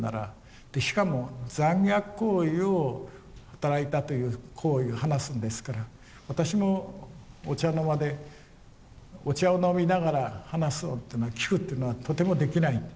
でしかも残虐行為を働いたという行為を話すんですから私もお茶の間でお茶を飲みながら話すのっていうのは聞くっていうのはとてもできない。